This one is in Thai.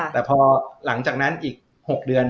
แต่พอหลังจากนั้นอีก๖เดือน